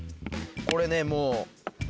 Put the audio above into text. これねもう。